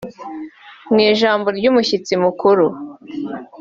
Mu ijambo ry’umushyitsi mukuru